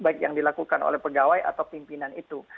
baik yang dilakukan oleh pegawai atau pimpinan itu